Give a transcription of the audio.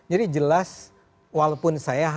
jadi jelas walaupun saya